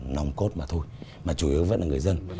nòng cốt mà thôi mà chủ yếu vẫn là người dân